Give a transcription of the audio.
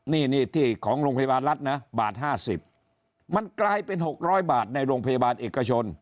นี่ที่ของโรงพยาบาลรัฐนะบาท๕๐มันกลายเป็น๖๐๐บาทในโรงพยาบาลเอกชน